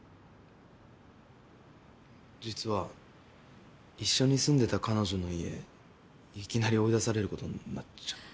実は一緒に住んでた彼女の家いきなり追い出されることになっちゃって。